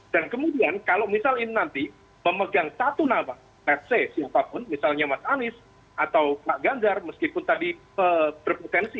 dan kemudian kalau misalnya nanti memegang satu nama let's say siapapun misalnya mas anies atau pak ganjar meskipun tadi berpotensi